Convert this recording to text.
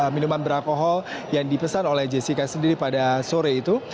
minuman beralkohol yang dipesan oleh jessica sendiri pada sore itu